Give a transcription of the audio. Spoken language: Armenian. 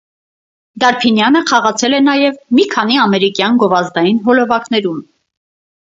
Դարբինյանը խաղացել է նաև մի քանի ամերիկյան գովազդային հոլովակներում։